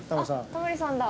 タモリさんだ。